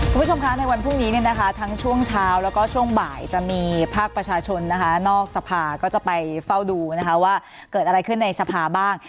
คุณผู้ชมคะในวันพรุ่งนี้เนี่ยนะคะทั้งช่วงเช้าแล้วก็ช่วงบ่ายจะมีภาคประชาชนนะคะนอกสภาก็จะไปเฝ้าดูนะคะว่าเกิดอะไรขึ้นในสภาบ้าง